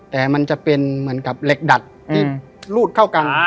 แต่มันจะเป็นเหมือนกับเหล็กดัดที่รูดเข้ากัน